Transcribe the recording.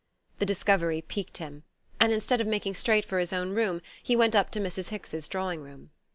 The discovery piqued him; and instead of making straight for his own room he went up to Mrs. Hicks's drawing room.